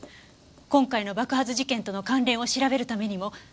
今回の爆発事件との関連を調べるためにもぜひ。